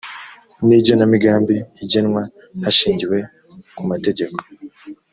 n igenamigambi igenwa hashingiwe ku mategeko